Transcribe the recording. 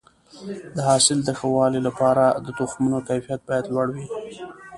د حاصل د ښه والي لپاره د تخمونو کیفیت باید لوړ وي.